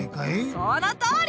そのとおり！